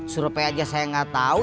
surpei aja saya nggak tau